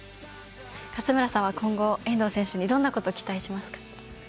勝村さんは今後遠藤選手にどんなことを期待しますか？